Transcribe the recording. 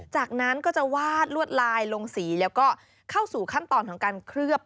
จากนั้นก็จะวาดลวดลายลงสีแล้วก็เข้าสู่ขั้นตอนของการเคลือบ